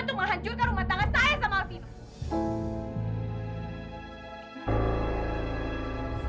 untuk menghancurkan rumah tangga saya sama alvino